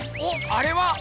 あれは。